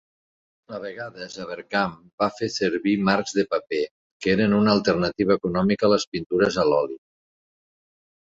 A vegades Avercamp va fer servir marcs de paper, que eren una alternativa econòmica a les pintures a l'oli.